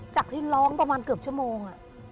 จากที่ร้องประมาณเกือบชั่วโมง